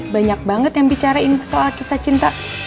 banyak banget yang bicara soal kisah cinta